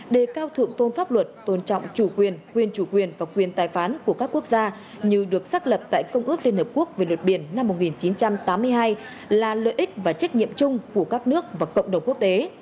đề cao thượng tôn pháp luật tôn trọng chủ quyền quyền chủ quyền và quyền tài phán của các quốc gia như được xác lập tại công ước liên hợp quốc về luật biển năm một nghìn chín trăm tám mươi hai là lợi ích và trách nhiệm chung của các nước và cộng đồng quốc tế